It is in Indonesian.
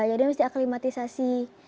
jadi mesti aklimatisasi